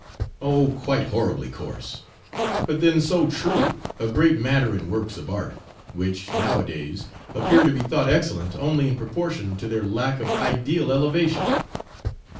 Oh! quite horribly coarse, but then so true a great matter in works of art, which, now a days, appear to be thought excellent only in proportion to their lack of ideal elevation.